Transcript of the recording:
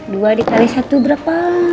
dua dikali satu berapa